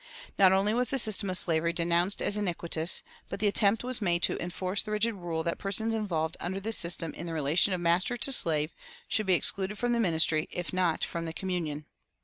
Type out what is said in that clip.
Not only was the system of slavery denounced as iniquitous, but the attempt was made to enforce the rigid rule that persons involved under this system in the relation of master to slave should be excluded from the ministry, if not from the communion.